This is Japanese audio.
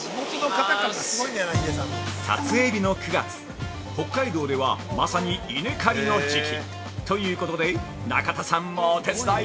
◆撮影日の９月、北海道では、まさに稲刈りの時期。ということで中田さんもお手伝い。